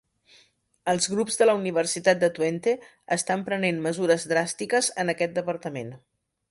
Els grups de la Universitat de Twente estan prenent mesures dràstiques en aquest departament.